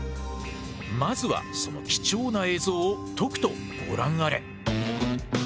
まずはその貴重な映像をとくとご覧あれ！